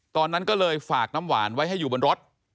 ตอนนั้นก็เลยฝากน้ำหวานไว้ให้อยู่บนรถ